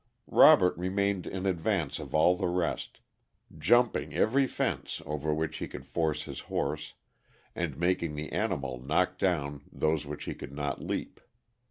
Robert remained in advance of all the rest, jumping every fence over which he could force his horse, and making the animal knock down those which he could not leap.